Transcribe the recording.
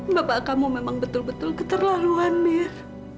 bapak kamu memang betul betul keterlaluan mir